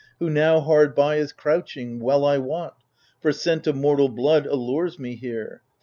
Who now hard by is crouching, well I wot, For scent of mortal blood allures me here.